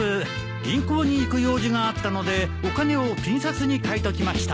銀行に行く用事があったのでお金をピン札に換えときました。